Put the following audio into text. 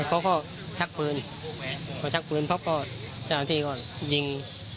แล้วเขาก็ชักปืนเขาชักปืนเพราะก็๓สันครตีก่อนยิง